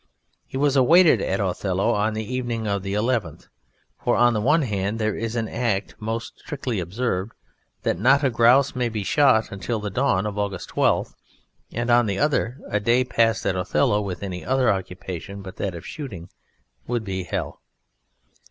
He was awaited at "Othello" on the evening of the eleventh; for on the one hand there is an Act most strictly observed that not a grouse may be shot until the dawn of August 12th, and on the other a day passed at "Othello" with any other occupation but that of shooting would be hell.